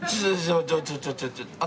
ちょっとちょっと。